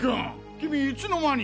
君いつの間に。